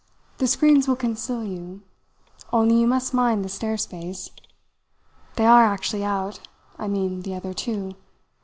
The screens will conceal you. Only you must mind the stair space. They are actually out I mean the other two.